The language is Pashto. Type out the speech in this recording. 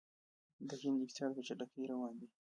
د هند اقتصاد په چټکۍ روان دی.